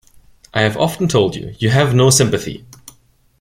I have often told you, you have no sympathy.